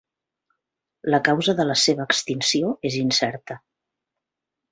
La causa de la seva extinció és incerta.